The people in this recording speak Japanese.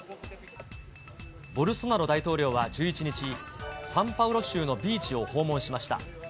ボルソナロ大統領は１１日、サンパウロ州のビーチを訪問しました。